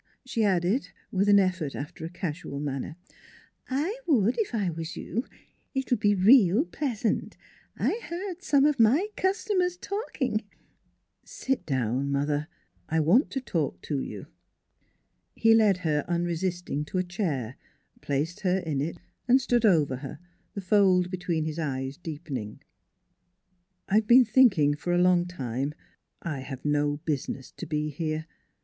she added, with an effort after a casual manner. " I would, if I was you. It'll be real pleasant. I heard some of my customers talking "" Sit down, mother: I want to talk to you." He led her unresisting to a chair, placed her in it, and stood over her, the fold between his eyes deepening. " I've been thinking for a long time I have no business to be here.